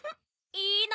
いいな！